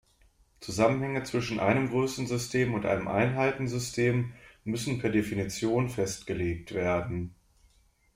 Zusammenhänge zwischen einem Größensystem und einem Einheitensystem müssen per Definition festgelegt werden.